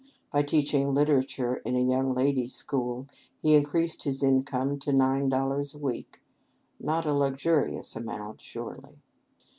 By teaching literature in a young ladies' school, he increased his income to nine dollars a week. Not a luxurious amount, surely.